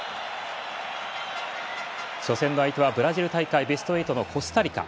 初戦の相手はブラジル大会ベスト８のコスタリカ。